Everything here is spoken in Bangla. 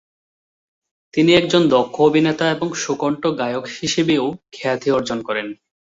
তিনি একজন দক্ষ অভিনেতা এবং সুকন্ঠ গায়ক হিসেবেও খ্যাতি অর্জন করেন।